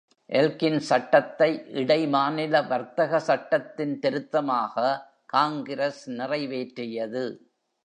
எல்கின்ஸ் சட்டத்தை இடை மாநில வர்த்தக சட்டத்தின் திருத்தமாக காங்கிரஸ் நிறைவேற்றியது.